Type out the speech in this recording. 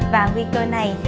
và nguy cơ này